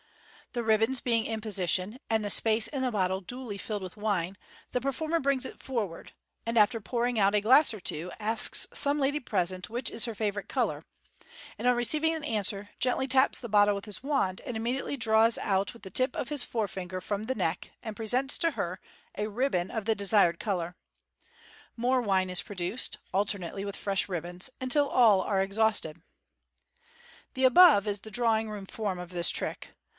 The ribbons being in position, and the space in the bottle duly filled with wine, the performer brings it forward, and, after pouring out a glass or two, asks some lady present which is her favourite colour, and on receiving an answer, gently taps the bottle with his wand, and immediately draws out with the tip of his forefinger from the neck, and presents to her, a ribbon of the desired colour. More wine is produced, alternately with fresh ribbons, until all are exhausted. The above is the drawing room form of the trick.